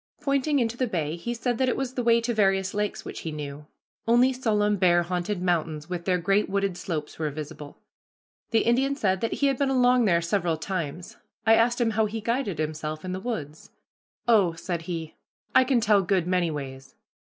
Pointing into the bay he said that it was the way to various lakes which he knew. Only solemn bear haunted mountains with their great wooded slopes were visible. The Indian said that he had been along there several times. I asked him how he guided himself in the woods. "Oh," said he, "I can tell good many ways."